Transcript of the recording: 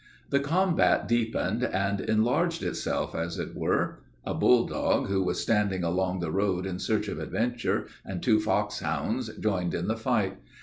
"The combat deepened and enlarged itself, as it were. A bull dog, who was wandering along the road in search of adventure, and two foxhounds joined in the fight.